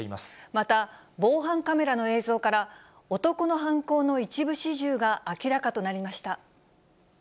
また、防犯カメラの映像から、男の犯行の一部始終が明らかとなりました。